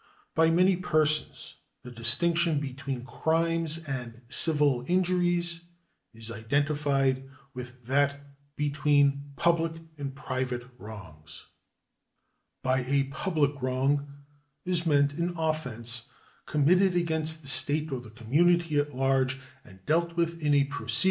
By many persons the distinction between crimes and civil injuries is identified with that between public and private wrongs. By a public wrong is meant an offence committed against the state or the community at large, and dealt with in a proceeding to which the state is itself a party.